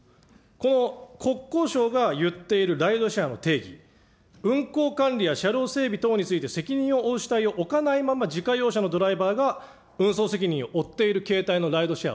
この国交省が言っているライドシェアの定義、運行管理や車両整備等について責任を負う主体を置かないまま、自家用車のドライバーが運送責任を負っている形態のライドシェア